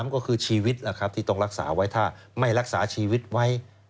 ก็คือชีวิตที่ต้องรักษาไว้ถ้าไม่รักษาชีวิตไว้